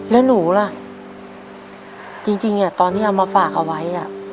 แล้วหนูล่ะจริงตอนที่เอามาฝากเอาไว้